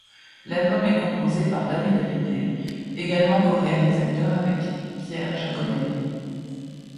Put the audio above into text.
L'album est composé par David Hallyday, également coréalisateur avec Pierre Jaconelli.